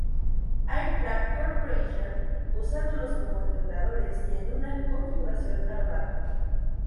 Aircraft Corporation, usándolos como entrenadores y en una configuración armada.